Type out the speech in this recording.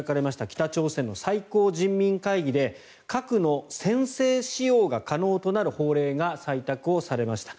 北朝鮮の最高人民会議で核の先制使用が可能となる法令が採択されました。